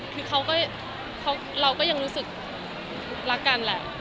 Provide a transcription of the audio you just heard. คือเขาก็เราก็ยังรู้สึกรักกันแหละ